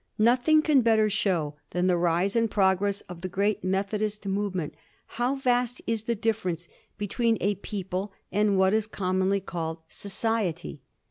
Nothing can better show than the rise and progress of the great Methodist movement how vast is the difference between a people and what is commonly called society.